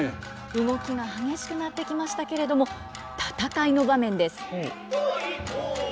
動きが激しくなってきましたけれども戦いの場面です。